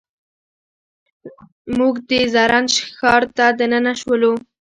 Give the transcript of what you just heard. موږ د زرنج ښار ته دننه شولو.